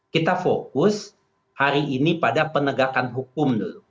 kita fokus hari ini pada penegakan hukum dulu